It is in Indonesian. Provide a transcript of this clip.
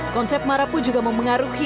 konsep marapu juga memengaruhi